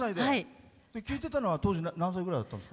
聴いてたのは当時何歳ぐらいだったんですか？